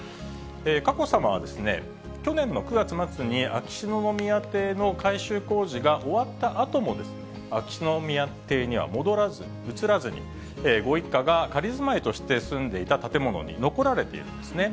佳子さまは、去年の９月末に、秋篠宮邸の改修工事が終わったあとも、秋篠宮邸には戻らず、移らずに、ご一家が仮住まいとして住んでいた建物に残られているんですね。